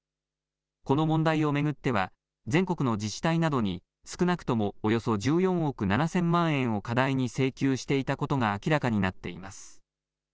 この問題を巡っては全国の自治体などに少なくともおよそ１４億７０００万円を過大に請求していたことが明らかになっています。